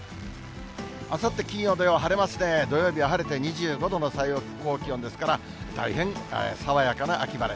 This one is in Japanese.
あさって金曜、土曜、晴れますね、土曜日は晴れて２５度の最高気温ですから、大変爽やかな秋晴れ。